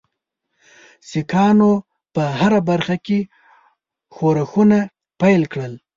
سیکهانو په هره برخه کې ښورښونه پیل کړل.